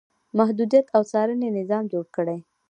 محدودیت او څارنې نظام جوړ کړي.